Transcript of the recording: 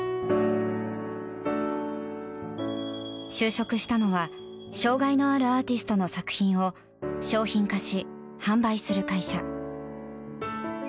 就職したのは障害のあるアーティストの作品を商品化し、販売する会社。